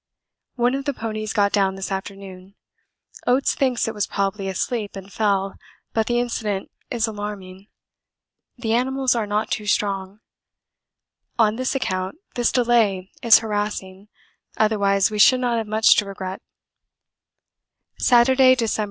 One of the ponies got down this afternoon Oates thinks it was probably asleep and fell, but the incident is alarming; the animals are not too strong. On this account this delay is harassing otherwise we should not have much to regret. Saturday, December 17. 67° 24'. 177° 34'. Drift for 48 hours S. 82 E.